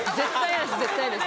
絶対嫌です